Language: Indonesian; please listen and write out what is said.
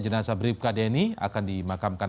jenazah bribka denny akan dimakamkan